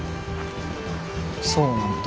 そうなんだ。